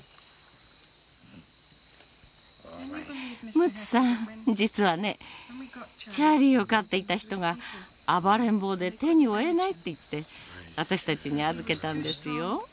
ムツさん、実はねチャーリーを飼っていた人が暴れん坊で手に負えないって言って私たちに預けたんですよ。